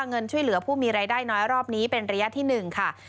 เงินช่วยเหลือผู้มีรายได้น้อยรอบนี้เป็นระยะที่๑ค่ะ